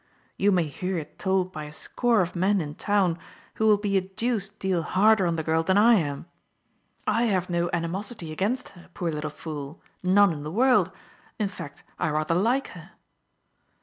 You may hear it told by a score of men in town, who will be a deuced deal harder on the girl than I am. I have no animosity against her, poor little fool — none in the world. In fact, I rather like her."